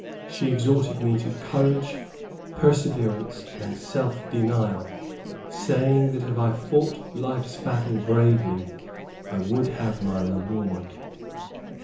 She exhorted me to courage, perseverance and self denial, saying that if I fought life's battle bravely, I would have my reward.